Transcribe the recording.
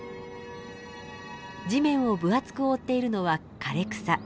地面を分厚く覆っているのは枯れ草。